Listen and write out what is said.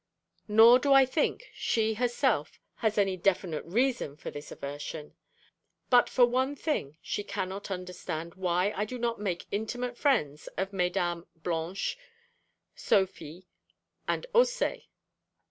Nor do I think she herself has any definite reason for this aversion.(!) But for one thing, she cannot understand why I do not make intimate friends of Mesdames Blanche, Sophie and Haussé.